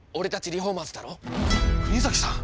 国崎さん。